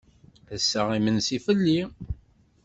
Ass-a imensi fell-i.